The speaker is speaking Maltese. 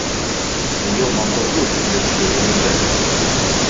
Ejjew ma nkomplux inbiċċru din il-Belt.